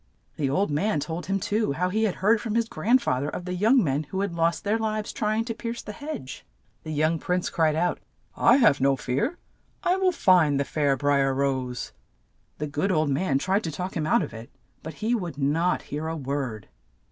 The old man told him too how he had heard from his grand fa ther of the young men who had lost their lives try ing to pierce the hedge. The young prince cried out, "I have no fear. I will find the fair Bri er Rose." The good old man tried to talk him out of it, but he would not hear a word.